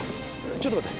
ちょっと待って。